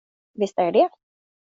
Visst är det det.